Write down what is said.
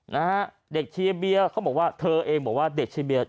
นะฮะเด็กเชียร์เบียร์เขาบอกว่าเธอเองบอกว่าเด็กเชียร์เบียร์